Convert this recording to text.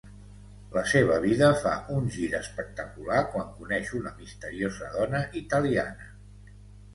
La seva vida fa un gir espectacular quan coneix una misteriosa dona italiana.